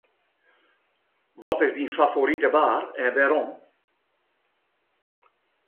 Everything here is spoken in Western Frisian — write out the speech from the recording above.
Wat is dyn favorite waar en wêrom?